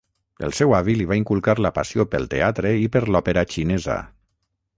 El seu avi li va inculcar la passió pel teatre i per l'òpera xinesa.